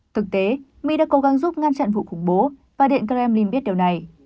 thực tế mỹ đã cố gắng giúp ngăn chặn vụ khủng bố và điện kremlin biết điều này